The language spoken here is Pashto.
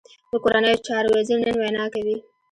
د کورنیو چارو وزیر نن وینا کوي